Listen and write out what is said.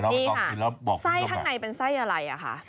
นี่ค่ะไส้ข้างในเป็นไส้อะไรอะคะ